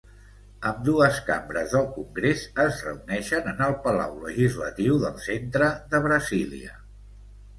Ambdues cambres del Congrés es reuneixen en el palau legislatiu del centre de Brasília.